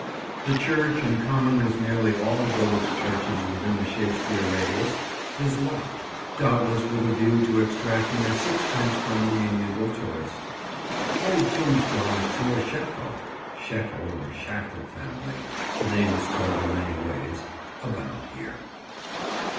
The church, in common with nearly all the village churches within the Shakespeare radius, is locked, doubtless with a view to extracting a sixpence from the amiable tourist. Old tombstones to a Shackel, Shekel or Shackle family—the name is spelled in many ways—abound here.